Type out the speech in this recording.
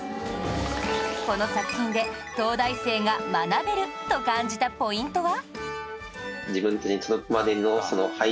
この作品で東大生が学べると感じたポイントは？